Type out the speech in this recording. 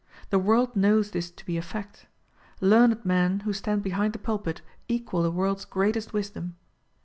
The world knows this to be a fact. Learned men who stand behind the pulpit equal the world's greatest wisdom.